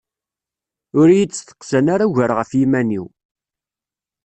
Ur iyi-d-steqsan ara ugar ɣef yiman-iw.